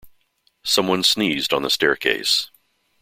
Someone sneezed on the staircase.